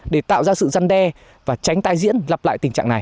để tạo ra sự răn đe và tránh tai diễn lặp lại tình trạng này